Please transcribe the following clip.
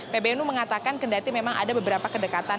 pbnu mengatakan kendati memang ada beberapa kedekatan